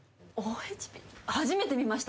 初めて見ました。